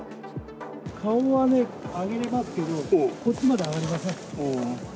顔は上げられますけど、こっちまで上がれません。